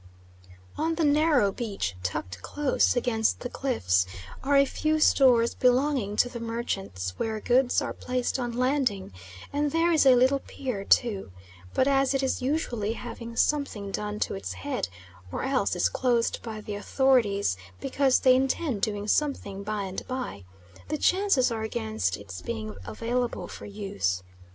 On the narrow beach, tucked close against the cliffs, are a few stores belonging to the merchants, where goods are placed on landing, and there is a little pier too, but as it is usually having something done to its head, or else is closed by the authorities because they intend doing something by and by, the chances are against its being available for use.